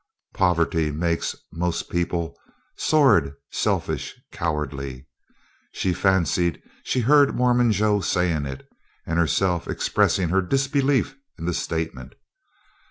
"Poverty makes most people sordid, selfish, cowardly." She fancied she heard Mormon Joe saying it, and herself expressing her disbelief in the statement.